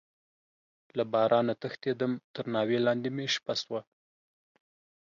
له بارانه تښتيدم، تر ناوې لاندې مې شپه شوه.